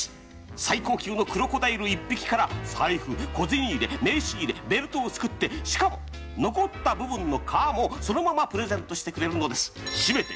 最高級のクロコダイル１匹から、財布、小銭入れ、名刺入れ、ベルトを作って、しかも残った部分の革も、そのままプレゼントしてくれるのです。